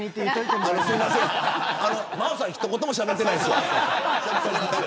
まだ舞音さん一言もしゃべってないですよ。